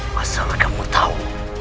masalah kamu tahu